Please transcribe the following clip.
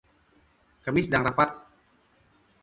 Kami sedang rapat.